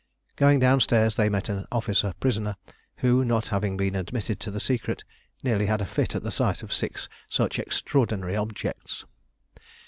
Going downstairs they met an officer prisoner, who, not having been admitted to the secret, nearly had a fit at the sight of six such extraordinary objects.